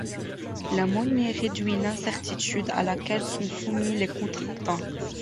La monnaie réduit l’incertitude à laquelle sont soumis les contractants.